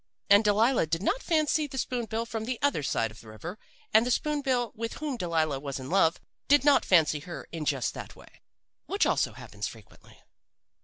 "And Delilah did not fancy the spoon bill from the other side of the river, and the spoon bill with whom Delilah was in love did not fancy her in just that way. "Which also happens frequently.